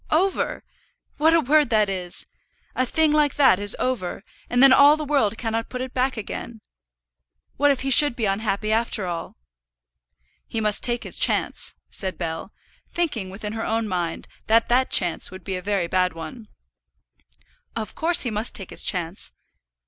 "Over! What a word that is! A thing like that is over, and then all the world cannot put it back again. What if he should be unhappy after all?" "He must take his chance," said Bell, thinking within her own mind that that chance would be a very bad one. "Of course he must take his chance.